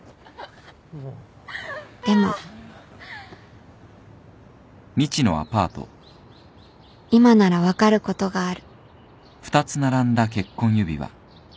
でも今なら分かることがある